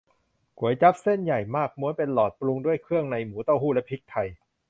ก๋วยจั๊บ เส้นใหญ่มากม้วนเป็นหลอด ปรุงด้วยเครื่องในหมู เต้าหู้ และพริกไทย